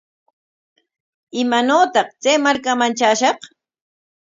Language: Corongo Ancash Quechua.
¿Imaanawtaq chay markaman traashaq?